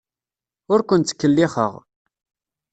Ur ken-ttkellixeɣ.